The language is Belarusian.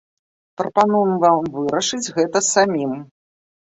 Прапануем вам вырашыць гэта самім.